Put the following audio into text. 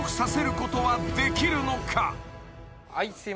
はい。